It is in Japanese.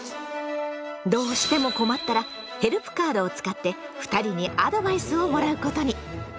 どうしても困ったらヘルプカードを使って２人にアドバイスをもらうことに。